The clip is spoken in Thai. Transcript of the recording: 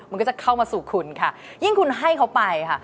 มันก็จะเข้ามาสู่คุณค่ะยิ่งคุณให้เขาไปค่ะ